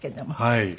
はい。